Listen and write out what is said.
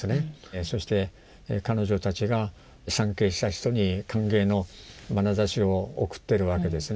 そして彼女たちが参詣した人に歓迎のまなざしを送ってるわけですね。